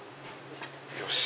よし。